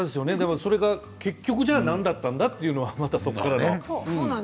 それが結局じゃあ何だったんだっていうのは、そこからね。